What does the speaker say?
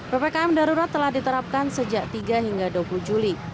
ppkm darurat telah diterapkan sejak tiga hingga dua puluh juli